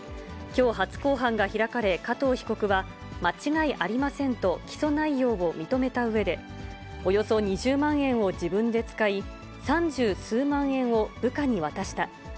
きょう初公判が開かれ、加藤被告は、間違いありませんと起訴内容を認めたうえで、およそ２０万円を自分で使い、三十数万円を部下に渡した。